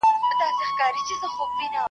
ښکاري زرکي ته اجل کړی کمین وو .